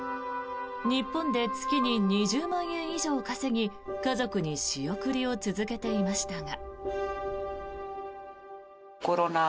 日本で月に２０万円以上稼ぎ家族に仕送りを続けていましたが。